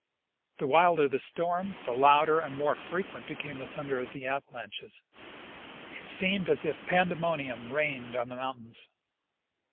The wilder the storm, the louder and more frequent became the thunder of the avalanches. It seemed as if pandemonium reigned on the mountains.